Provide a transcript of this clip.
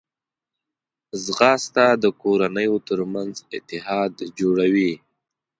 ځغاسته د کورنیو ترمنځ اتحاد جوړوي